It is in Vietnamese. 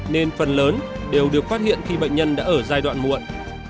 nên phần lớn đều được phát hiện khi bệnh nhân đã ở giai đoạn muộn